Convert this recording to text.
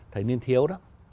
thời niên thiếu đó